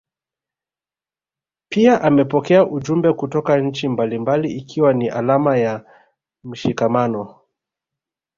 Pia amepokea ujumbe kutoka nchi mbalimbali ikiwa ni alama ya mshikamano